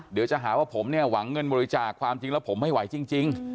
เดี๋ยวจะหาว่าผมเนี่ยหวังเงินบริจาคความจริงแล้วผมไม่ไหวจริง